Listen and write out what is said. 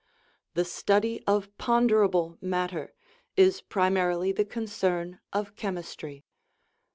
The study of ponderable matter is primarily the con cern of chemistry.